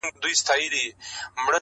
هره تيږه يې پاميرؤ -